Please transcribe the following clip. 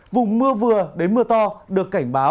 vùng mưa vừa đến mưa to được cảnh báo